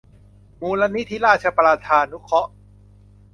มูลนิธิราชประชานุเคราะห์